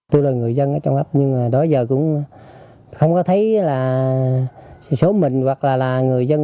tôi là người dân trong áp nhưng mà đói giờ cũng không có thấy là số mình hoặc là là người dân